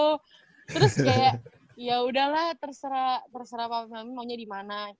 terus kayak ya udahlah terserah papa sama mami maunya dimana